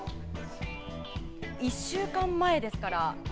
１週間前ですからね。